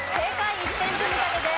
１点積み立てです。